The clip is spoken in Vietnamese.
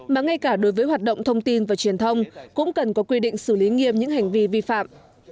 mà ngay cả đối với hoạt động thông tin và truyền thông cũng cần có quy định xử lý nghiêm những hành vi vi phạm